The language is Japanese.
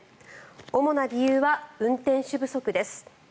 主な理由は運転手不足です。